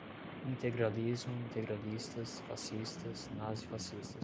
Integralismo, integralistas, fascistas, nazifascistas